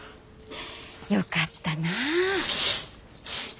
よかったな。